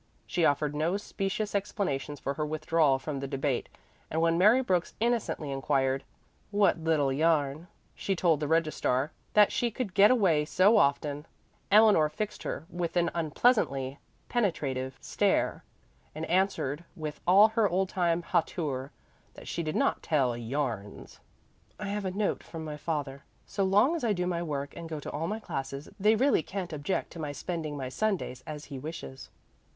She offered no specious explanations for her withdrawal from the debate, and when Mary Brooks innocently inquired "what little yarn" she told the registrar, that she could get away so often, Eleanor fixed her with an unpleasantly penetrative stare and answered with all her old time hauteur that she did not tell "yarns." "I have a note from my father. So long as I do my work and go to all my classes, they really can't object to my spending my Sundays as he wishes."